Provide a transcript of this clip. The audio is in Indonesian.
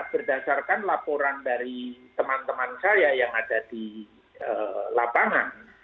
berdasarkan laporan dari teman teman saya yang ada di lapangan